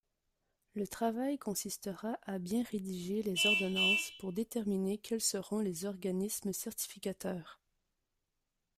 Le travail consistera à bien rédiger les ordonnances pour déterminer quels seront les organismes certificateurs.